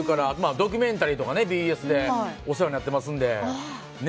ドキュメンタリーとかＢＳでお世話になってますので。